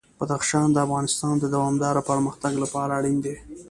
بدخشان د افغانستان د دوامداره پرمختګ لپاره اړین دي.